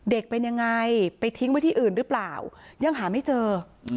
เป็นยังไงไปทิ้งไว้ที่อื่นหรือเปล่ายังหาไม่เจอ